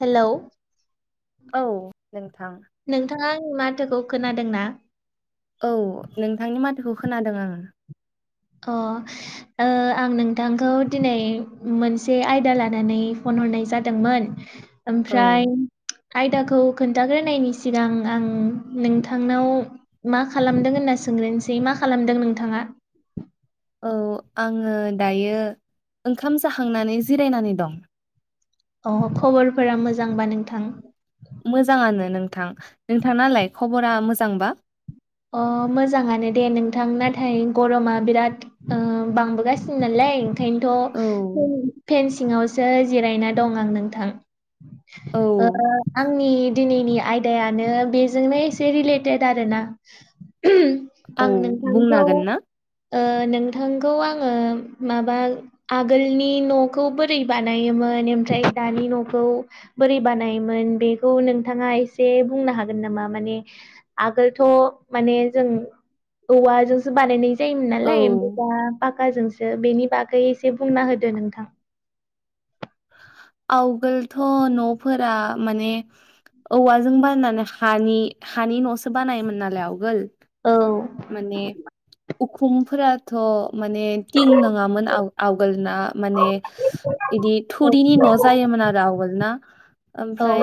Hello औ नोंथां आं माथोखौ खोनादों ना खौ खोनादों आङो अ आं नोंथांखौ दिनै मोनसे आयदा लानानै फन नुनाय जादोंमोन औ ओमफ्राय आयदाखौ खोन्थाग्रोनायनि सिगां आं नोंथांनाव मा खालामदों होनना सो ग्रोनसै मा खालामदों नोंथाङा औ आङो दायो ओंखाम जाखांनानै जिरायनानै दं अ खबरफोरा मोजांबा नोंथां मोजाङानो नोंथां नोंथां नालाय खबरा मोजांबा अ मोजाङानो दे नोंथां नाथाय गरमा बिराद ओ बांबोगासिनो नालाय ओंखायनोथ' औ [unintelligible] फेनसिङावसो जिरायना दं आं नोंथां औ ओ आंनि दिनैनिया आयदायानो बेजोंनो एसे रिलेटेड आरो ना। ओम औ आं बुंनो नोंथांखौ हागोन ना ओ नोंथांखौ आङो माबा आगोलनि न'खौ बोरै बानायोमोन ओमफ्राय दानि न'खौ बोरै बानायोमोन बेखौ नोंथाङा एसे बुंनो हागोन नामा माने आगोलथ' माने जों औवाजोंसो बानायनाय जायोमोन औ नालाय ओमफ्राय दा बा खाजोंसो बेनि बागै एसे बुंना होदो नोंथां। आवगोलथ' न'फोरा माने औवाजों बाननानै हानि हानि न'सो बानायोमोन नालाय आवगोल। औ माने उखुमफोराथ' माने थिं नङामोन आव आवगोलना माने इदि थुरिनि न' जायो मोन आरो आवगोल ना औ ओमफ्राय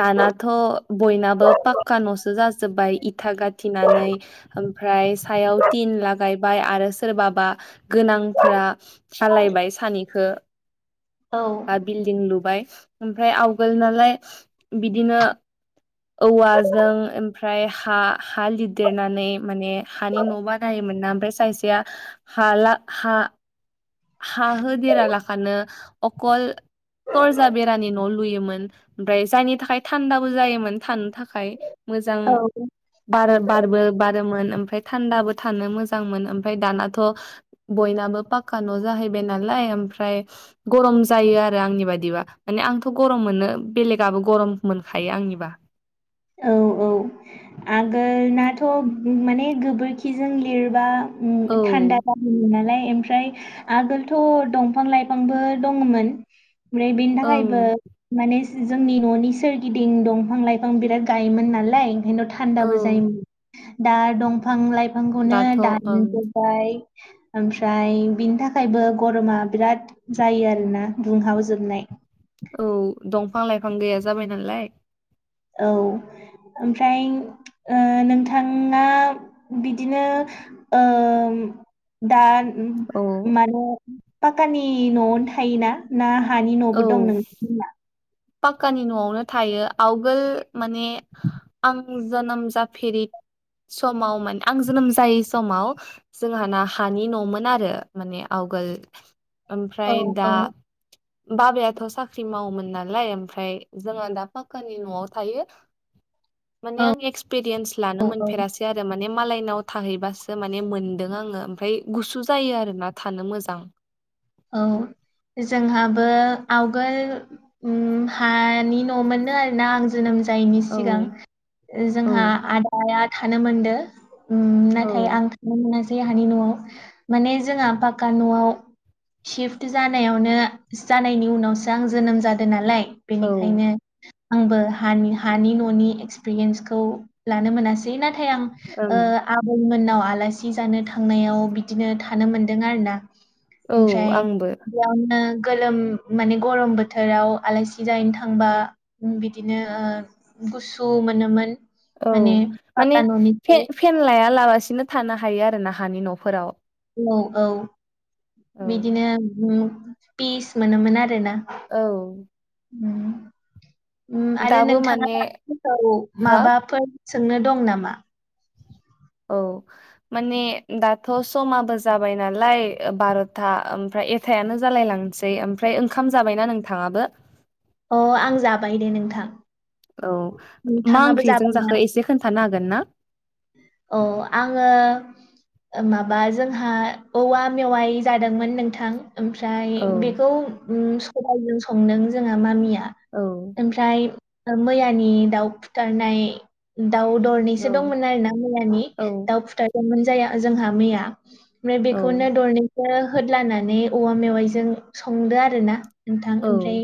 दानाथ' बयनाबो पाक्का न'सो जाजोबबाय इथा गा थिनानै ओमफ्राय सायाव तिन लागायबाय आरो सोरबाबा गोनांफोरा खालायबाय सानिखो औ दा बिल्डिं लुबाय। ओमफ्राय आवगोल नालाय बिदिनो औवाजों ओमफ्राय हा हा लिरदेरनानै माने हानि न' बानायोमोन ना ओमफ्राय सायसेया हाला हा हा होदेरालाखानो अखल दरजा बेरानि न' लुयोमोन ओमफ्राय जायनि थाखाय थान्दाबो जायोमोन थानो थाखाय मोजां औ बार बारबो बारोमोन ओमफ्राय थान्दाबो थानो मोजां मोन ओमफ्राय दानाथ' बयनाबो पाक का न' जाहैबाय नालाय ओमफ्राय गरम जायो आरो आंनि बादिबा माने आंथ' गरम मोनो। बेलेगआबो गरम मोनखायो आंनिबा। औ औ आगोलनाथ' माने गोबोरखिजों लिरबा ओ औ थान्दा जाहोयो नालाय ओम फ्राय आगोलथ' दंफां लाइफांबो दङमोन। ओमफ्राय बेनि थाखायबो ओं माने जोंनि न'नि सोरगिदिं दंफां लाइफां बिराद गायोमोन नालाय ओंखायनो औ थान्दाबो जायोमोन दा दंफां लाइ फांखौनो दाथ' ओं दानजोबबाय। ओमफ्राय बिनि थाखायबो गरमा बिराद जायो आरोना दुंहावजोबनाय। औ दंफां लाइफां गैया जाबाय नालाय। औ ओमफ्राय ओ नोंथाङा बिदिनो ओम दा औ माने पाक्कानि न'आवनो थायोना ना हानि औ न'बो दं [unintelligible] पाक्कानि न'आवनो थायो आवगोल माने आं जोनोम जाफेरि समाव मोन आं जोनोम जायै समाव जोंहा ना हानि न'मोन आरो माने आवगोल। औ ओमफ्राय दा औ बाबायाथ' साख्रि मावोमोन ना लाय ओमफ्राय जोंहा दा फाक्कानि न'आव थायो। माने औ आं एक्सपिरियेन्स लानो औ औ मोनफेरासै आरो माने मालायनाव थाहैबासो माने मोनदों आङो ओमफ्राय गुसु जायो आरोना थानो मोजां। औ जोंहाबो आवगोल उम हानि न' मोपनो आरोना आं जोनोम जायिनि औ सिगां औ जोंहा आदाया थानो मोनदो। उम नाथाय औ आं थांनो मोनासै हानि न'आव माने जोंहा पाक्का न'आव सिफ्ट जानायावनो जानायनि उनावसो आं जोनोम जादों नालाय। औ बेनिखायनो आंबो हानि हानि न'नि एक्सपिरियेन्सखौ लानो मोनासै नाथ थाय आं ओ ओं आबैमोननाव आलासि जानो थांनायाव बिदिनो थानो मोनदों आरोना औ ओमफ्राय आंबो बियावनो गोलोम माने गरम बोथोराव आलासि जाहैनो थांबा बिदिनो ओ गुसु मोनोमोन। औ माने माने पाका न'निफ्राय फेन फेन लायालाबसिनो थानो हायो आरो ना हानि न'फोराव औ औ औ बिदिनो उम पिस मोनोमोन आरो औ उम उम आरो दाबो नोंथाङा माने बैसागु हो माबाफोर सोंनो दं नामा? औ माने दाथ' समाबो जाबाय नालाय ओ बार'था ओमफ्राय एथायानो जालाय लांनोसै ओमफ्राय ओंखाम जाबायना नोंथाङाबो? अ आं जाबाय दे नोंथां। औ मा नोंथाङाबो ओंख्रिजों जाबाय ना जाखो एसे खोन्थानो हागोन ना? औ आङो ओ माबा जोंहा औवा मेवाइ जादोंमोन नोंथां। ओमफ्राय औ बेखौ उम सबायजों संदों जोंहा मामिया। आ औ ओमफ्राय ओ मैयानि दाउ फुथारनाय उम दाउ औ दरनैसो दंमोन आरो ना मैयानि औ दाउ खुथारदोंमोन जाया जोंहा मैया। ओमफ्राय औ बेखौनो दरनैसो होद लानानै औवा मेवाइजों संदो आरो ना नोंथां औ ओमफ्राय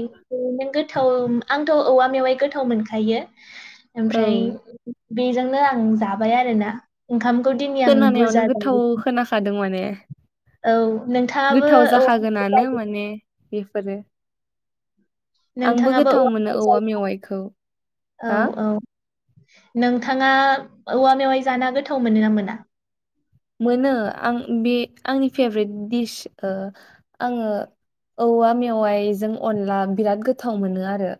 नों गोथाव आंथ' औवा मेवाइ गोथाव मोनखायो। ओमफ्राय औ बेजोंनो आं जाबाय आरोना ओंखामखौ दिनै आं खोनानायावनो बुरजा गोथाव [unintelligible] खोनाखादों माने औ नोंथाङाबो गोथाव औवा जाखागोनानो मेवाइ माने बेफोरो जायो आंबो नोंथाङाबो गोथाव मोनो मेवाइ औवा जायो मेवाइखौ हा औ औ नोंथाङा औवा मेवाइ जाना गोथाव मोनोना मोना? मोनो आं बे आंनि फेभरेट दिस ओ आङो औवा मेवाइजों अनला बिराद गोथाव मोनो आरो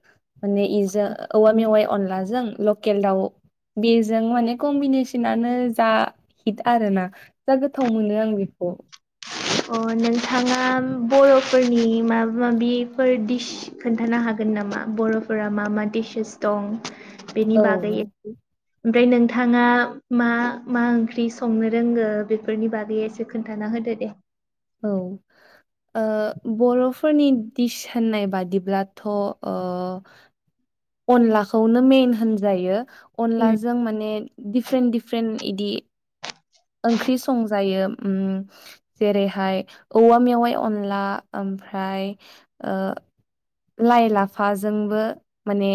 माने इजा औवा मेवाइ अनलाजों लकेल दाउ बेजों माने कम्बिनेसनानो जा हिट आरो ना जा गोथाव मोनो आं बेखौ। अ नोंथाङा बर'फोरनि माबा माबिफोर दिस खोन्थानो हाग गोन नामा बर'फोरा मा मा डिसेस दं बेनि औ बागै एसे? ओमफ्राय नोंथाङा मा मा ओंख्रि संनो रोंगो बेफोरनि बागै एसे खोन्थानो ना होदो दे औ ओ बर'फोरनि दिस होननाय बादिब्लाथ' ओ अनलाखौनो मेन होनजायो। उम अनलाजों माने डिफरेन्ट डिफरेन्ट इदि ओंख्रि संजायो उम जेरैहाय औवा मेवाइ अनला ओम फ्राय ओ लाइ लाफाजोंबो माने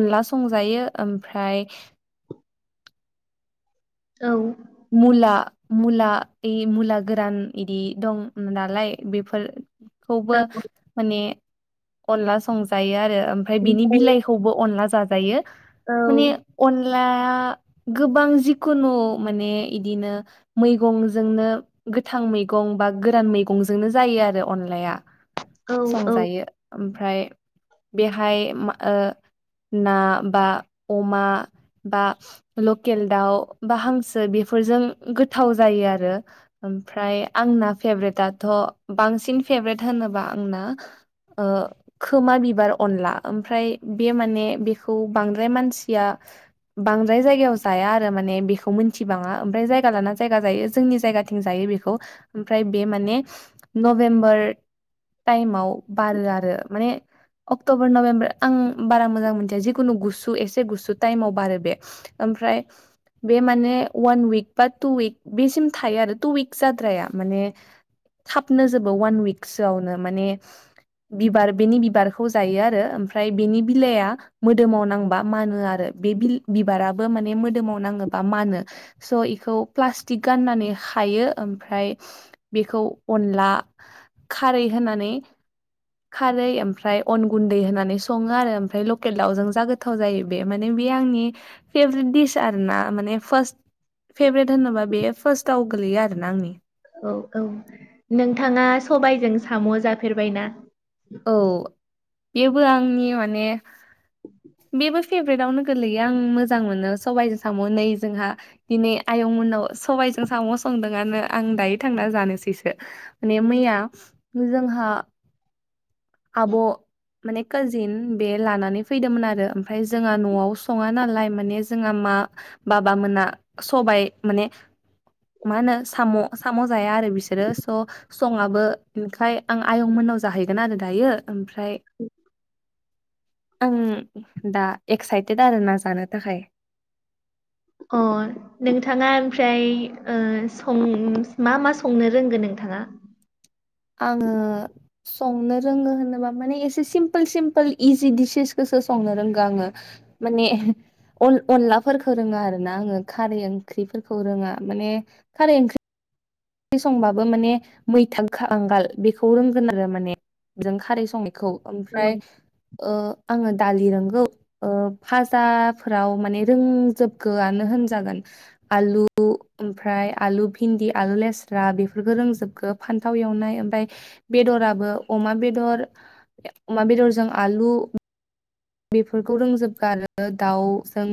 अनला संजायो ओमफ्राय औ मुला मुला इ मुला गोरान इदि दं मुनालाय बेफोर खौबो औ माने अनला संजायो आरो ओमफ्राय बिनि बिलाइखौबो अनला जाजायो माने औ अनलाया गोबां जिखुनु माने इदिनो मैगंजोंनो गोथां मैगं बा गोरान मैगंजोंनो जायो आरो अनलाया औ औ संजायो ओमफ्राय बेहाय मा ओ ना बा अमा बा लकेल दाउ बा हांसो बेफोरजों गोथाव जायो आरो ओमफ्राय आंना फेभ्रेटआथ बां बांसिन फेभ्रेट होनोबा आंना ओ खोमा बिबार अनला ओमफ्राय बे माने बेखौ बांद्राय मानसिया बांद्राय जायगायाव जाया आरो माने बेखौ मोन थिबांआ ओमफ्राय जायगा लाना जायगा जायो जोंनि जायगाथिं जायो बेखौ ओमफ्राय बे माने न नभेम्बर टाइमाव बारो आरो माने अक्ट'बर नभेम्बर आं बारा मोजां मोनथिया जिखुनु गुसु एसे गुसु टाइमाव बारो बे ओमफ्राय बे माने अवान उइक बा टु उइक बेसिम थायो आरो टु उइकस जाद्राया माने थाबनो जोबो अवान उइकसोआवनो माने बिबार बेनि बिबारखौ जायो आरो ओमफ्राय बेनि बिलाइआ मोदोमाव नांबा मानो आरो बे बिल बिबाराबो माने मोदोमाव नाङोबा मानो स' इखौ प्लास्टिक गाननानै खायो ओमफ्राय बेखौ अनला खारै होनानै खारै ओमफ्राय अन गुन्दै होननानै सङो आरो ओमफ्राय लकेल दाउजों जा गोथाव जायो बे माने बि बे आंनि फेभ्रेट दिस आरोना माने फास्ट फेभ्रेट होनोब्ला बेयो फारस आव गोलैयो आरो ना आंनि औ-औ नोंथाङा सबायजों साम' जाफेरबायना? औ ऐबो आंनि माने बेबो फेभ्रेट आवनो गोलैयो आं मोजां मोनो सबाइजों साम' नै जोंहा दिनै आय उनाव सबायजों साम' संदोंआनो आं दायो थांना जानोसैसो माने मैया जोंहा आब' माने काजिन बे लानानै फैदोंमोन आरो ओमफ्राय जोंहा न'आव सङा नालाय माने जोंहा मा बाबामोना सबाय माने मा होनो साम' साम' जाया आरो बिसोरो स' सङाबो ओंखाय आं आयंमोन मोननाव जाहैगोन आरो दायो ओमफ्राय आं दा एक्साइटेड आरोना जानो थाखाय अ नोंथाङा ओमफ्राय ओ सं मा-मा संनो रोंगोन नोंथां हा आङो संनो रोङो होनोबा माने एसे सिमपोल सिमपोल इजि डिसेसखो सो संनो रोंगो आङो माने अन अनलाफोरखौ रोङो आरोना आङो खारै ओंख्रिफोरखौ रोङा माने खारै ओंख्रि संबाबो माने मैथा खांगाल बेखौ रोंगोन आरो माने जों खारै संनाय खौ ओमफ्राय ओ आङो दालि रोंगौ ओ भाजाफोराव माने रोंजोबगोआनो होनजागोन आलु ओमफ्राय आलु भिनदि आलु लेस - स्रा बेफोरफोरखौ रोंजोबगो फान्थाव एवनाय ओमफ्राय बेदराबो अमा बेदर अमा बेदरजों आलु बेफोरखौ रोंजोबगो आरो दाउजों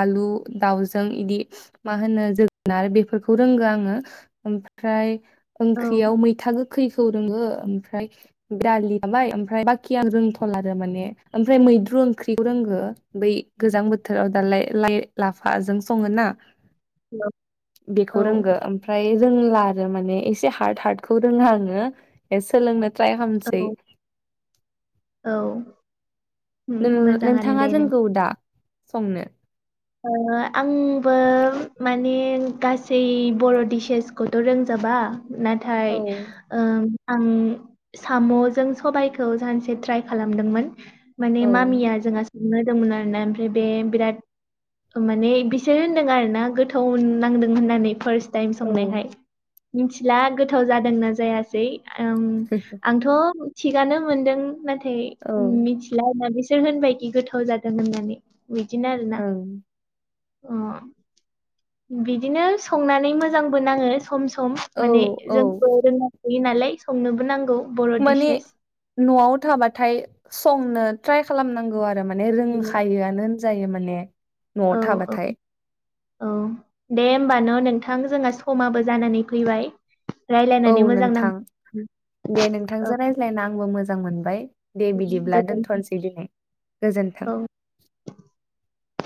आलु दाउजों इदि मा होनो जोगोनार बेफोरखौ रोंगो आङो ओमफ्राय औ ओंख्रियाव मैथा गोखैखौ रोङो [inaudible] ओमफ्राय बाखि आं रोंथला आरो माने ओमफ्राय मैद्रु ओंख्रिखौ रोंगो बै गोजां बोथोराव दालाय लाइ लाफाजों सङो ना औ बेखौ रोंगौ ओमफ्राय जों ला माने एसे हार्द हार्दखौ रोङा आङो दायो सोलोंनो ट्राय खालामसै औ औ उम नों मोजाङानो नोंथाङा दे नों रोंगौ दा संनो? ओ आंबो माने गासै बर' डिसेसखौथ' रोंजाबा। नाथाय औ ओ आं साम'जों सबायाइखौ सानसे ट्राइ खालामदोंमोन। माने औ मामिया जोंहा सोंनो होदोंमोन आरोना ओमफ्राय बे बिराद माने बिसोर होनदों आरो ना गोथाव नांदों होननानै फार्स्ट टाइम औ संनायखाय। मिथिला गोथाव जादोंना जायासै उम आंथ' थिगानो मोनदों नाथाय औ मिथिला होना बिसोर होनबायखि गोथाव जादों होननानै। बिदिनो आरो ना ओं अ बिदिनो संनानै मोजांबो नाङो सम सम औ माने औ जोंबोखौ रोंनांगौनालाय संनोबो नांगौ बर' माने डिसेस न'आव थाबाथाय संनो ट्राइ खालामनांगौ आरो माने रोंखायोआनो होनजायो माने न'आव औ औ थाबाथाय औ दे होमबान' नोंथां जोंहा समाबो जानानै फैबाय औ रायज्लायनानै मोजां नां नोंथां दे औ नोंथांजों रायज्लायना आंबो मोजां मोनबाय दे बिदिब्ला गोजोनथों दोनथ'नोसै दिनै गोजोन्थों। औ [inaudible]